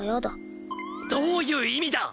どういう意味だ！？